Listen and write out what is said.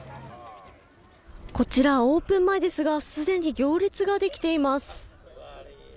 こちら、オープン前ですがすでに行列ができています。